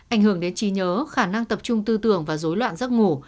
ảnh hưởng đến trí nhớ khả năng tập trung tư tưởng và dối loạn giấc ngủ